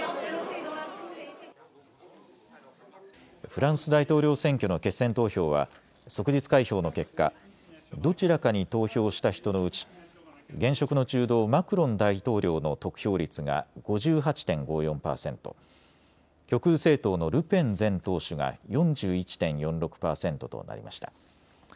フランス大統領選挙の決選投票は即日開票の結果、どちらかに投票した人のうち現職の中道、マクロン大統領の得票率が５８．５４％、極右政党のルペン前党首が４１．４６％となりました。